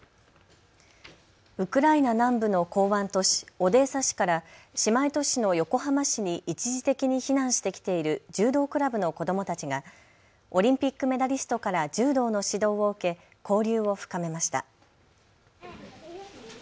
ウクライナ南部の港湾都市オデーサ市から姉妹都市の横浜市に一時的に避難してきている柔道クラブの子どもたちがオリンピックメダリストから柔道の指導を受け交流を深めました。